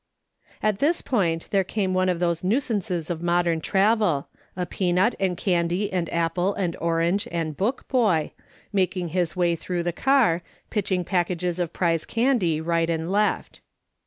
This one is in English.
At this point there came one of those nuisances of modern travel, a peanut and candy and apple and orange and book boy, making his way through the car, pitching packages of prize candy right and left.